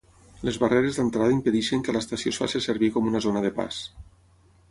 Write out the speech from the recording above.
Les barreres d'entrada impedeixen que l'estació es faci servir com una zona de pas.